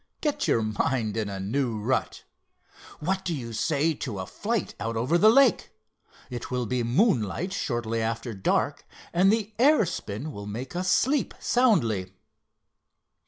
Get your mind in a new rut. What do you say to a flight out over the lake? It will be moonlight shortly after dark and the air spin will make us sleep soundly."